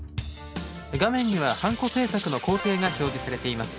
画面にはハンコ制作の工程が表示されています。